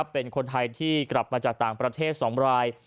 เป็นคนไทยที่กลับมาจากต่างประเทศ๒ราย